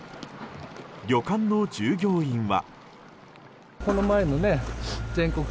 旅館の従業員は。